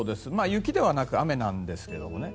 雪ではなく雨なんですけどもね。